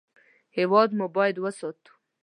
هېواد مو باید وساتو